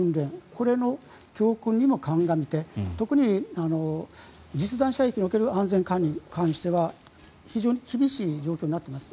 これの教訓にも鑑みて特に実弾射撃における管理については非常に厳しい状況になっています。